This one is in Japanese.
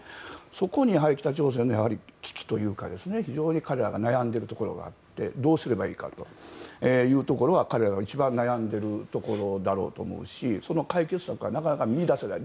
そこに北朝鮮の危機というか非常に彼らが悩んでいるところがあってどうすればいいかというところは彼らの一番悩んでいるところだと思いますし、解決策はなかなか見出せない。